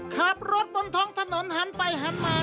ขับรถบนท้องถนนหันไปหันมา